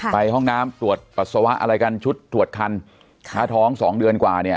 ห้องน้ำตรวจปัสสาวะอะไรกันชุดตรวจคันถ้าท้องสองเดือนกว่าเนี่ย